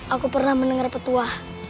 aku pernah mendengar petua